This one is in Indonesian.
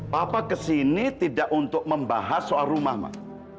papa kesini tidak untuk membahas soal rumah mak